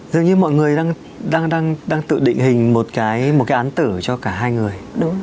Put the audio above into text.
dường như mọi người đang tự định hình một cái án tử cho cả hai người